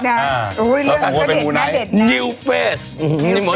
เรื่องก็เด็ดน่าเด็ดนะ